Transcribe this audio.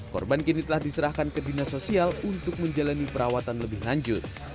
korban kini telah diserahkan ke dinas sosial untuk menjalani perawatan lebih lanjut